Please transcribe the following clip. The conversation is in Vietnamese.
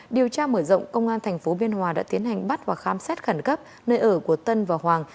điều tra mở rộng công an tp biên hòa đã tiến hành bắt và khám xét khẩn cấp nơi ở của tân và hoàng